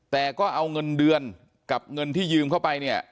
แต่ก็เอาเงินเดือนกับเงินที่ยืมเข้าไปเนี่ย